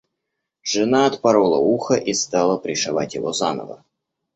Жена отпорола ухо и стала пришивать его заново.